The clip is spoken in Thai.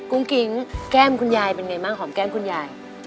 กุ๊งกลิงแก้มคุณยายเป็นไงมั้งฮอมแก้มคุณล้าย